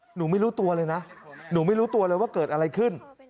หนูไม่รู้ตัวเลยนะหนูไม่รู้ตัวเลยว่าเกิดอะไรขึ้น